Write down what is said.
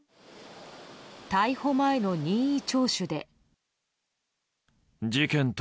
逮捕前の任意聴取で。